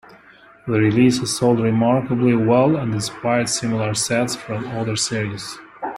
The releases sold remarkably well and inspired similar sets from other series.